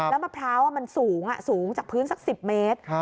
แล้วมะพร้าวมันสูงสูงจากพื้นสัก๑๐เมตร